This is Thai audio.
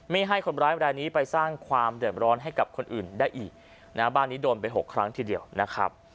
ไม่ให้คนร้ายในรายนี้ไปสร้างความเดิมร้อนให้กับคนอื่นได้อีก